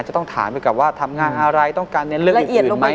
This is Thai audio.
จะต้องถามไปก่อนว่าทำงานอะไรต้องการในเรื่องละเอียดไหม